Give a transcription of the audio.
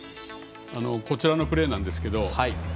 こちらのプレーなんですけど。